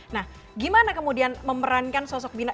nah gimana kemudian memerankan sosok bina